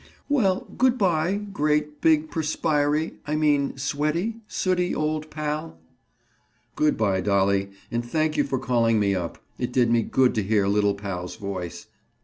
"Well, good by, great, big, perspirey—I mean sweaty, sooty old pal!" "Good by, Dolly. And thank you for calling me up. It did me good to hear little pal's voice.